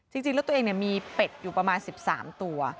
จริงแล้วตัวเองมีเป็ดอยู่ประมาณ๑๓ตัว